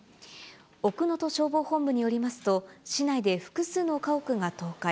奥能登消防本部によりますと、市内で複数の家屋が倒壊。